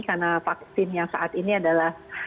karena vaksin yang saat ini adalah